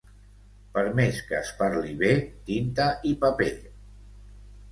Per més que es parli bé, tinta i paper.